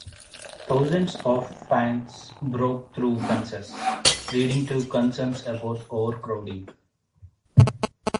Thousands of fans broke through fences, leading to concerns about overcrowding.